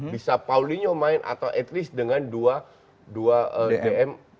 bisa paulinho main atau at least dengan dua dm